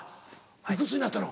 いくつになったの？